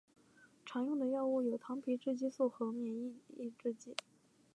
常用的药物有糖皮质激素和免疫抑制剂。